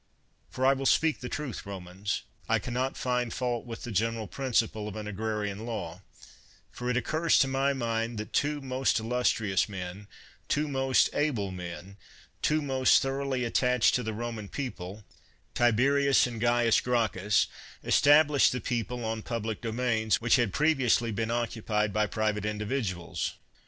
For I will speak the truth, Romans; I can not find fault with the general principle of an agrarian law, for it occurs to my mind that two most illustrious men, two most able men, two men most thoroughly attached to the Roman people, Tiberius and Caius Gracchus, established the people on public domains which had previously been occupied by private individuals.